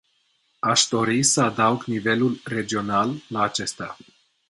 Aș dori să adaug nivelul regional la acestea.